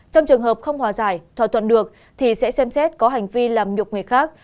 trong trường hợp không hòa giải thỏa thuận được thì sẽ xem xét có hành vi làm nhục người khác